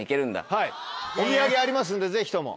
お土産ありますんでぜひとも。